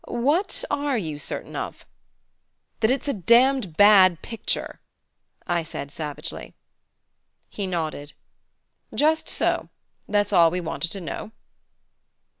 "What are you certain of?" "That it's a damned bad picture," I said savagely. He nodded. "Just so. That's all we wanted to know."